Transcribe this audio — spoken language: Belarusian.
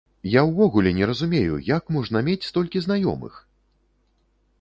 Я ўвогуле не разумею, як можна мець столькі знаёмых!